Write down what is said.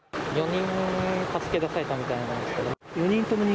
４人助け出されたみたいなんですけど。